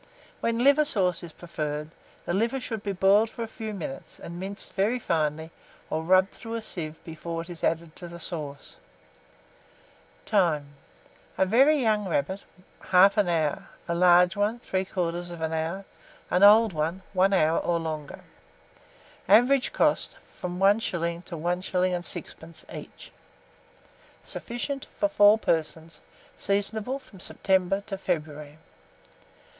When liver sauce is preferred, the liver should be boiled for a few minutes, and minced very finely, or rubbed through a sieve before it is added to the sauce. Time. A very young rabbit, 1/2 hour; a large one, 3/4 hour; an old one, 1 hour or longer. Average cost, from 1s. to 1s. 6d. each. Sufficient for 4 persons. Seasonable from September to February.